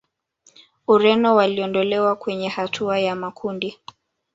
Ureno waliondolewa kwenye hatua ya makundi